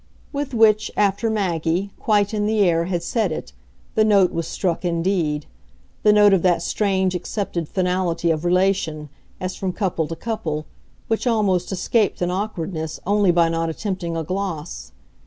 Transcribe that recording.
With which, after Maggie quite in the air had said it, the note was struck indeed; the note of that strange accepted finality of relation, as from couple to couple, which almost escaped an awkwardness only by not attempting a gloss.